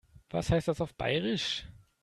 Was heißt das auf Bairisch?